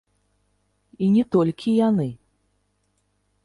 І не толькі яны!